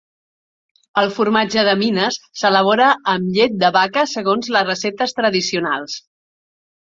El formatge de Minas s'elabora amb llet de vaca segons les receptes tradicionals.